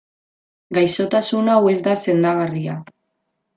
Gaixotasun hau ez da sendagarria.